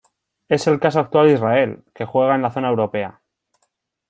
Es el caso actual de Israel, que juega en la zona europea.